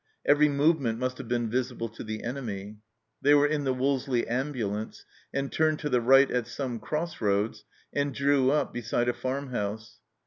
Every movement must have been visible to the enemy. They were in the Wolseley ambulance, and turned to the right at some cross roads and drew up beside a farm house.